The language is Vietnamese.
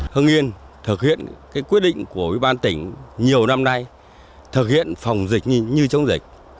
hưng yên thực hiện quyết định của bán tỉnh nhiều năm nay thực hiện phòng dịch như chống dịch